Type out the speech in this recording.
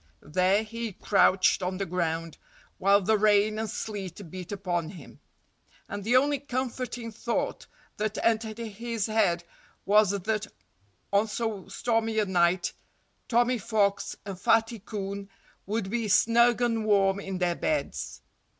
There he crouched on the ground, while the rain and sleet beat upon him. And the only comforting thought that entered his head was that on so stormy a night Tommy Fox and Fatty Coon would be snug and warm in their beds.